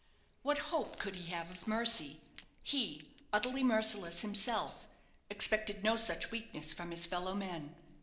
What hope could he have of mercy he, utterly merciless himself, expected no such weakness from his fellow men.